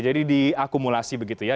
jadi diakumulasi begitu ya